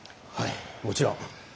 はいもちろん。